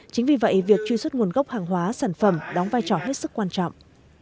chính vì vậy việc truy xuất nguồn gốc hàng hóa sản phẩm đóng vai trò hết sức quan trọng